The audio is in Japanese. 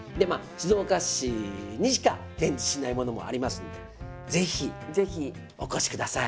静岡市にしか展示しないものもありますんで是非お越しください。